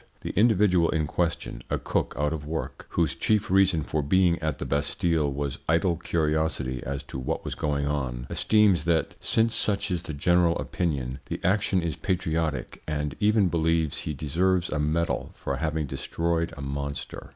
"The individual in question, a cook out of work, whose chief reason for being at the Bastille was idle curiosity as to what was going on, esteems, that since such is the general opinion, the action is patriotic and even believes he deserves a medal for having destroyed a monster.